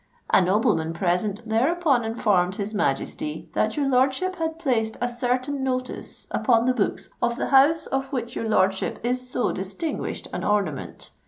A nobleman present thereupon informed his Majesty that your lordship had placed a certain notice upon the books of the House of which your lordship is so distinguished an ornament.